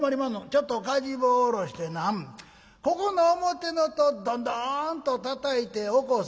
「ちょっとかじ棒下ろしてなここの表の戸ドンドンッとたたいて起こせ」。